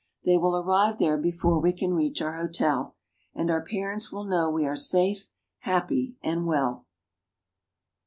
They will arrive there before we can reach our hotel, and our parents will know we are safe, happy, and well.